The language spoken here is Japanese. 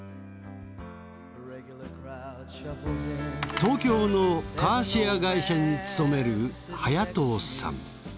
東京のカーシェア会社に勤める早藤さん。